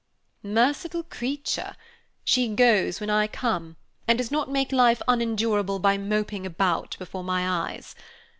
"Merciful creature! she goes when I come, and does not make life unendurable by moping about before my eyes.